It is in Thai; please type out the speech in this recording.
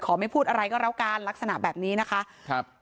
ไม่พูดอะไรก็แล้วกันลักษณะแบบนี้นะคะครับ